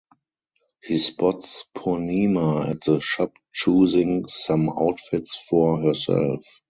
He spots Purnima at the shop choosing some outfits for herself.